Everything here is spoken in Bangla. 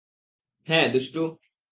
হ্যাঁ, - দুষ্টু।